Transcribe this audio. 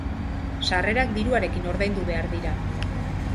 Sarrerak diruarekin ordaindu behar dira.